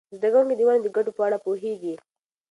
زده کوونکي د ونو د ګټو په اړه پوهیږي.